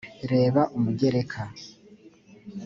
reba umugereka